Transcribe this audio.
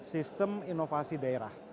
sistem inovasi daerah